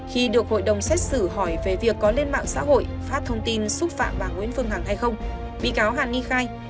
khi được hội đồng xét xử hỏi về việc có lên mạng xã hội phát thông tin xúc phạm bà nguyễn phương hằng hay không bị cáo hàn nghi khai